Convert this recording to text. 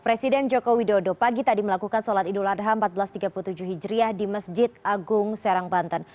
presiden jokowi dodo pagi tadi melakukan sholat idul adha seribu empat ratus tiga puluh tujuh hijriah di masjid agung serang banten